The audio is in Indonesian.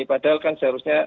padahal kan seharusnya